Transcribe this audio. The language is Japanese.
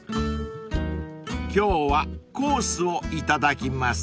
［今日はコースを頂きます］